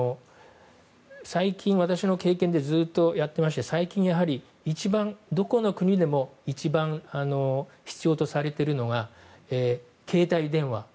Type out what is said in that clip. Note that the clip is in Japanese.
私の経験でずっとやっていまして最近、一番どこの国でも必要とされているのが携帯電話。